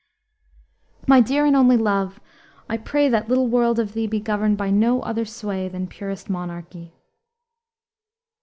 "My dear and only love, I pray That little world of thee Be governed by no other sway Than purest monarchy."